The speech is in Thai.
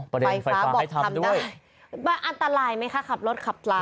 อ๋อประเด็นไฟฟ้าให้ทำด้วยอันตรายไหมคะขับรถขับร้าน